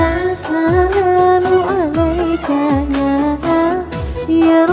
assalamualaikum ya rasulullah